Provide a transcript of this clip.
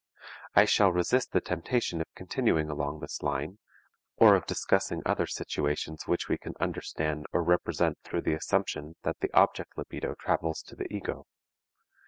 I shall resist the temptation of continuing along this line, or of discussing other situations which we can understand or represent through the assumption that the object libido travels to the ego.